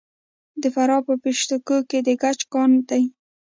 د فراه په پشت کوه کې د ګچ کان شته.